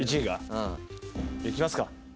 うんいきますか